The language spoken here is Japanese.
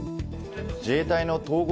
自衛隊の統合